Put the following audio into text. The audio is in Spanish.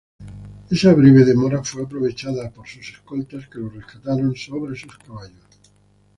Esa breve demora fue aprovechada por sus escoltas que lo rescataron sobre sus caballos.